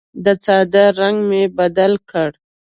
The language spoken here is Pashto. د څادر رنګ مې بدل کړ.